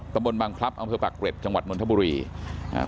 กระบวนบางคลับอำสมปักเกร็ดจังหวัดนวรรณฑบุรีอ่า